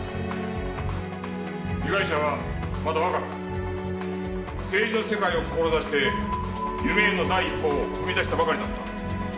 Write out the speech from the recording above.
被害者はまだ若く政治の世界を志して夢への第一歩を踏み出したばかりだった。